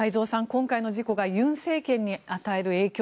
今回の事故が尹政権に与える影響